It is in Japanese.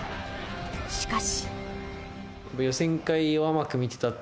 しかし。